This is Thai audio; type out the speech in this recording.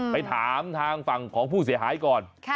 ไปถามทางฝั่งของผู้เสียหายก่อน